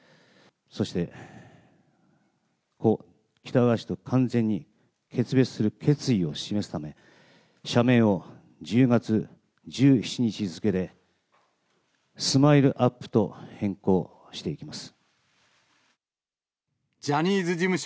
そして、故・喜多川氏と完全に決別する決意を示すため、社名を１０月１７日付で、スマイルアップと変更していきます。